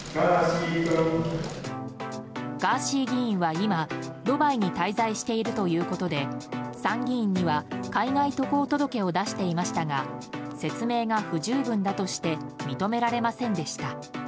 ガーシー議員は今、ドバイに滞在しているということで参議院には海外渡航届を出していましたが説明が不十分だとして認められませんでした。